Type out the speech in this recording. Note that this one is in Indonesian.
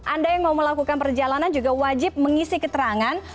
anda yang mau melakukan perjalanan juga wajib mengisi keterangan